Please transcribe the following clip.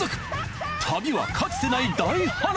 旅はかつてない大波乱。